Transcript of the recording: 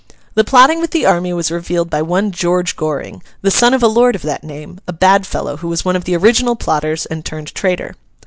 The plotting with the army was revealed by one George Goring, the son of a lord of that name: a bad fellow who was one of the original plotters, and turned traitor.